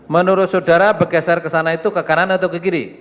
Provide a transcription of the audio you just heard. menurut saudara bergeser ke sana itu ke kanan atau ke kiri